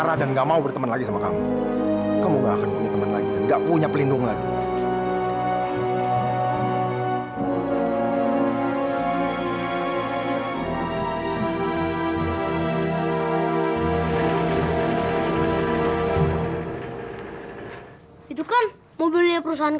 dada eli lu mendingan pagi deh disini deh